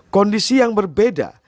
kondisi yang berbeda